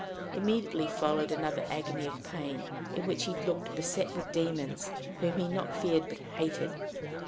Immediately followed another agony of pain, in which he looked beset with demons, whom he not feared but hated.